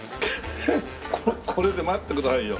これで待ってくださいよ。